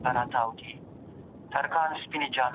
پاک لوښي وکاروئ.